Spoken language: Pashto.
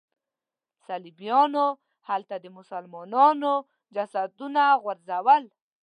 صلیبیانو هلته د مسلمانانو جسدونه غورځول.